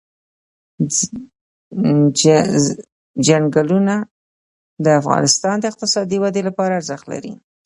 چنګلونه د افغانستان د اقتصادي ودې لپاره ارزښت لري.